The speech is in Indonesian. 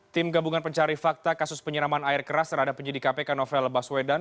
tim gabungan pencari fakta kasus penyeraman air keras terhadap penyidik kpk novel baswedan